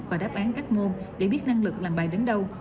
và đáp án các môn để biết năng lực làm bài đến đâu